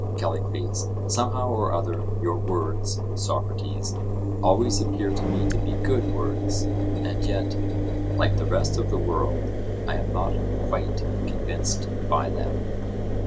CALLICLES: Somehow or other your words, Socrates, always appear to me to be good words; and yet, like the rest of the world, I am not quite convinced by them.